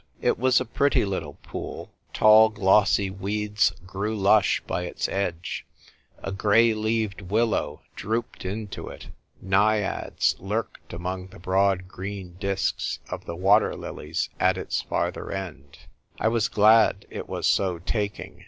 It was a pretty little pool : tall glossy weeds grew lush by its edge ; a grey leaved willow drooped into it ; Naiads lurked among the broad green disks of the water lilies at its farther end. I was glad it was so taking.